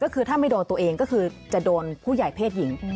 ก็คือถ้าไม่โดนตัวเองก็คือจะโดนผู้ใหญ่เพศหญิง